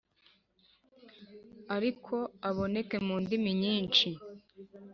Ariko aboneke mu ndimi nyinshi